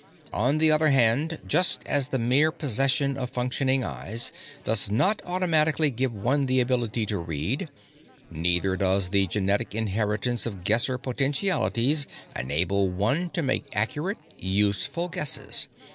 "On the other hand, just as the mere possession of functioning eyes does not automatically give one the ability to read, neither does the genetic inheritance of Guesser potentialities enable one to make accurate, useful Guesses.